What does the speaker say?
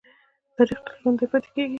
تاریخ تل ژوندی پاتې کېږي.